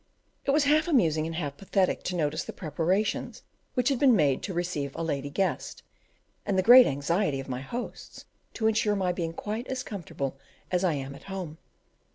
It was half amusing and half pathetic to notice the preparations which had been made to receive a lady guest, and the great anxiety of my hosts to ensure my being quite as comfortable as I am at home.